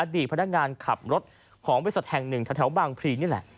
อดีตพนักงานขับรถของวิสัตว์แห่ง๑ท้าแถวบางพรีนี่แหละ